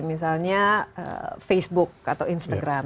misalnya facebook atau instagram